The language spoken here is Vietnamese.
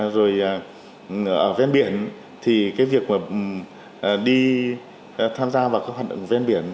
rồi ở ven biển thì cái việc mà đi tham gia vào các hoạt động ven biển